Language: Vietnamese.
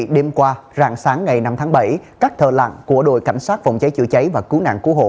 đêm qua rạng sáng ngày năm tháng bảy các thờ lặng của đội cảnh sát phòng cháy chữa cháy và cứu nạn cứu hộ